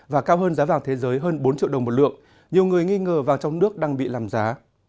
và cao hơn giá vàng thế giới hơn bốn triệu đồng một lượng nhiều người nghi ngờ vàng trong nước đang bị làm giá